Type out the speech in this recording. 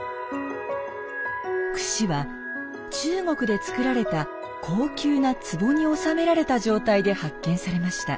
くしは中国で作られた高級なつぼに納められた状態で発見されました。